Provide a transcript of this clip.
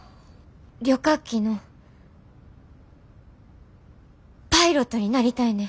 旅客機のパイロットになりたいねん。